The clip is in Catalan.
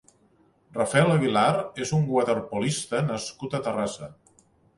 Rafael Aguilar és un waterpolista nascut a Terrassa.